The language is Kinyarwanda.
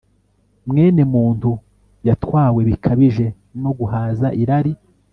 Mwenemuntu yatwawe bikabije no guhaza irari